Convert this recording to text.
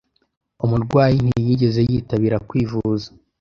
Umurwayi ntiyigeze yitabira kwivuza.